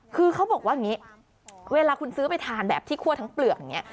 คือเขาบอกว่าอย่างนี้เวลาคุณซื้อไปทานแบบที่คั่วทั้งเปลือกอย่างนี้